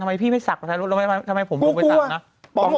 ทำไมพี่ไม่สักลงไปต่างแล้วทำไมผมโรงทาง